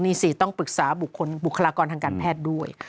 นี่สิต้องปรึกษาบุคลากรทางการแพทย์ด้วย